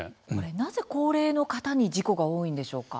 なぜ、高齢の方に事故が多いんでしょうか？